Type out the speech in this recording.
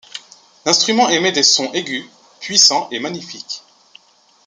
L'instrument émet des sons aigus, puissants et magnifiques.